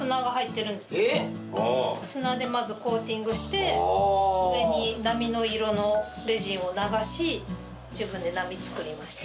砂でまずコーティングして上に波の色のレジンを流し自分で波作りました。